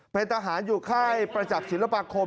เป็นทหารอยู่ค่ายประจักษ์ศิลปาคม